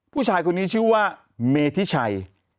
ผู้ชายคนนี้ชื่อว่าเมธิชัย